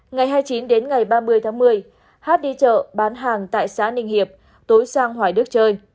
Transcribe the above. ngày hai mươi chín đến ngày ba mươi tháng một mươi hát đi chợ bán hàng tại xã ninh hiệp tối sang hoài đức chơi